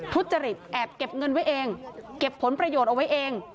ทุจริตแอบเก็บเงินไว้เองเก็บผลประโยชน์เอาไว้เอง